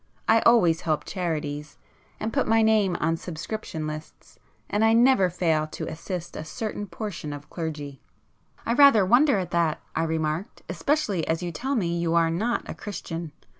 I always help charities, and put my name on subscription lists,—and I never fail to assist a certain portion of clergy." "I rather wonder at that—" I remarked—"Especially as you tell me you are not a Christian."